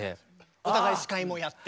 お互い司会もやって。